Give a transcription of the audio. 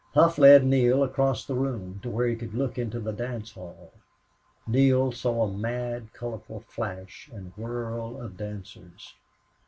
Hough led Neale across the room to where he could look into the dance hall. Neale saw a mad, colorful flash and whirl of dancers.